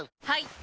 はい！